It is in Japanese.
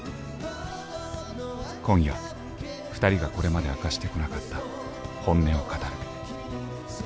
今夜ふたりがこれまで明かしてこなかった本音を語る。